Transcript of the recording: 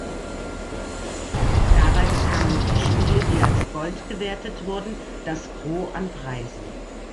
Dabei bekamen die Spiele, die als Gold gewertet wurden, das Gros an Preisen.